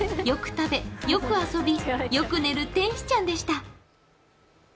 よく食べ、よく遊び、よく寝る天使ちゃんでした。